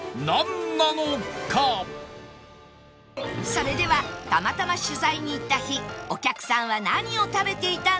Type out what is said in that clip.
それではたまたま取材に行った日お客さんは何を食べていたんでしょうか？